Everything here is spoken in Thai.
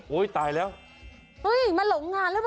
โวยยตายละ